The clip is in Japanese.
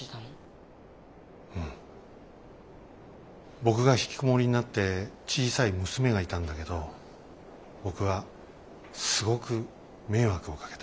僕がひきこもりになって小さい娘がいたんだけど僕はすごく迷惑をかけた。